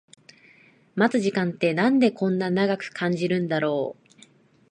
待つ時間ってなんでこんな長く感じるんだろう